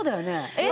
えっ？